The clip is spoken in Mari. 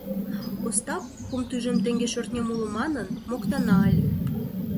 Остап «Кум тӱжем теҥге шӧртнем уло» манын моктана ыле.